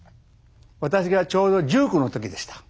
私がちょうど１９の時でした。